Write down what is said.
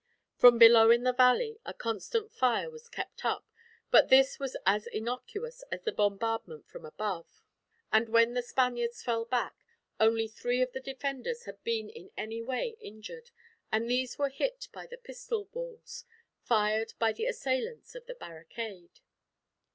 From below in the valley a constant fire was kept up, but this was as innocuous as the bombardment from above; and when the Spaniards fell back, only three of the defenders had been in any way injured, and these were hit by the pistol balls, fired by the assailants of the barricade.